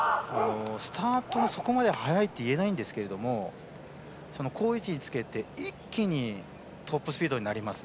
スタートがそこまで速いとはいえないんですけれども好位置につけて、一気にトップスピードになります。